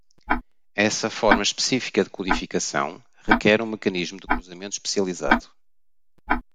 Essa forma específica de codificação requer um mecanismo de cruzamento especializado.